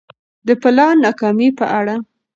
د پلان ناکامي په اړه